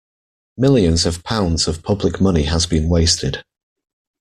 Millions of pounds of public money has been wasted.